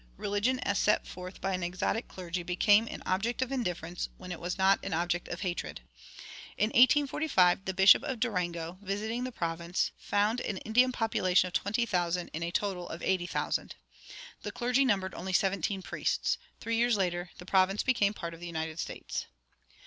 Religion as set forth by an exotic clergy became an object of indifference when it was not an object of hatred. In 1845 the Bishop of Durango, visiting the province, found an Indian population of twenty thousand in a total of eighty thousand. The clergy numbered only seventeen priests. Three years later the province became part of the United States.